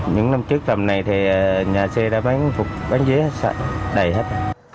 những năm trước tầm này thì nhà xe đã bán vé đầy hết